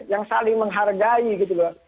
yang saling menghargai gitu loh